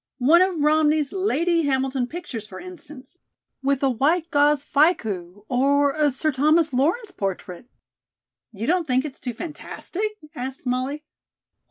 One of Romney's Lady Hamilton pictures for instance, with a white gauze fichu; or a Sir Thomas Lawrence portrait " "You don't think it's too fantastic?" asked Molly.